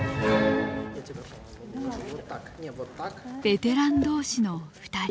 ベテラン同士の２人。